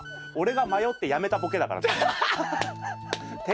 俺が迷ってやめたボケだから。